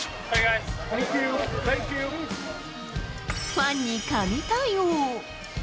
ファンに神対応。